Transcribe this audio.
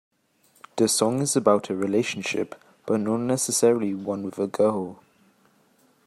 The song is about a relationship, but not necessarily one with a girl.